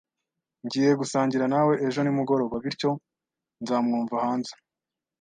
Ngiye gusangira nawe ejo nimugoroba, bityo nzamwumva hanze